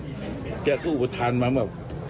ก้าทำต่อกรีดเลือดมาแบบ